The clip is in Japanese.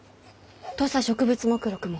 土佐植物目録も？